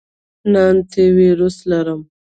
نه، انټی وایرس لرم